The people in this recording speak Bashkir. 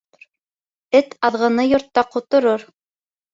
Эт аҙғыны йортта ҡоторор.